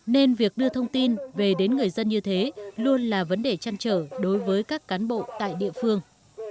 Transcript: nên việc đưa thông tin về đến người dân như thế luôn là vấn đề chăn trở đối với các cán bộ tại địa phương